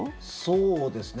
そうですね。